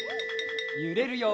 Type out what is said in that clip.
ゆれるよ。